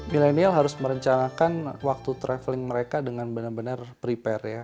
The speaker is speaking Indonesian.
milenial harus merencanakan waktu traveling mereka dengan benar benar prepare ya